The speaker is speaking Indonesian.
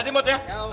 jangan mengganggu ya